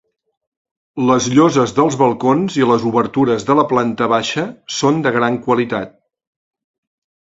Les lloses dels balcons i les obertures de la planta baixa són de gran qualitat.